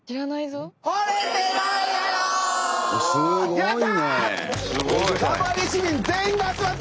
やった！